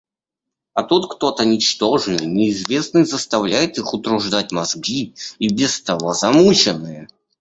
А тут кто-то ничтожный, неизвестный заставляет их утруждать мозги, и без того замученные.